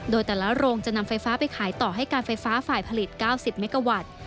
โดยแต่ละโรงจะนำไฟฟ้าไปขายต่อให้การไฟฟ้าฝ่ายผลิต๙๐เมกาวัตต์